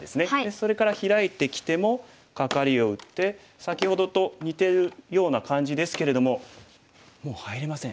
それからヒラいてきてもカカリを打って先ほどと似てるような感じですけれどももう入れません。